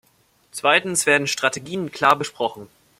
Zweitens werden Strategien klar besprochen.